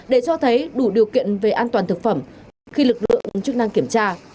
để cho thấy đủ điều kiện về an toàn thực phẩm khi lực lượng chức năng kiểm tra